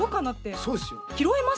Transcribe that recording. そうですよ。